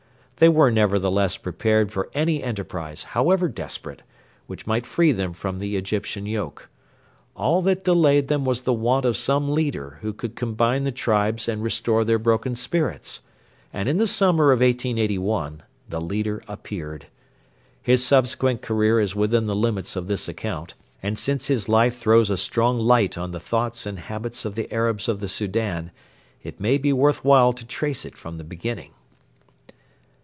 They were nevertheless prepared for any enterprise, however desperate, which might free them from the Egyptian yoke. All that delayed them was the want of some leader who could combine the tribes and restore their broken spirits, and in the summer of 1881 the leader appeared. His subsequent career is within the limits of this account, and since his life throws a strong light on the thoughts and habits of the Arabs of the Soudan it may be worth while to trace it from the beginning.